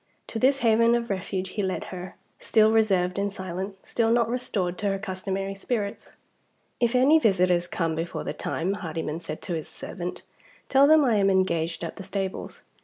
To this haven of refuge he led her still reserved and silent, still not restored to her customary spirits. "If any visitors come before the time," Hardyman said to his servant, "tell them I am engaged at the stables.